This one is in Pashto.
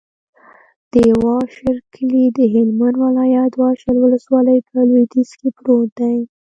د واشر کلی د هلمند ولایت، واشر ولسوالي په لویدیځ کې پروت دی.